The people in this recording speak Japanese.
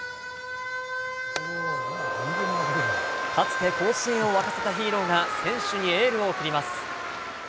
かつて甲子園を沸かせたヒーローが、選手にエールを送ります。